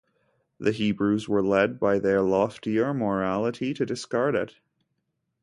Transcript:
The Hebrews were led by their loftier morality to discard it.